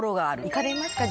「行かれますか？